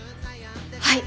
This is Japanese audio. はい。